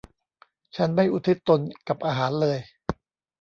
ฉันไม่อุทิศตนกับอาหารเลย